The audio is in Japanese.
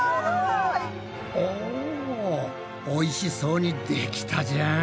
おぉおいしそうにできたじゃん！